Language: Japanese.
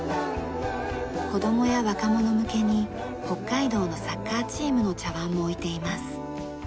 子供や若者向けに北海道のサッカーチームの茶碗も置いています。